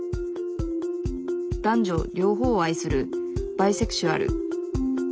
男女両方を愛するバイセクシュアル。